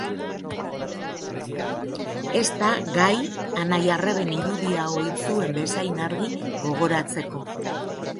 Ez da gai anai-arreben irudia ohi zuen bezain argi gogoratzeko.